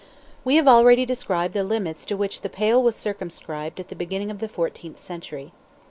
We have already described the limits to which "the Pale" was circumscribed at the beginning of the fourteenth century.